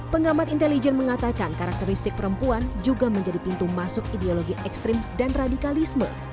pengamat intelijen mengatakan karakteristik perempuan juga menjadi pintu masuk ideologi ekstrim dan radikalisme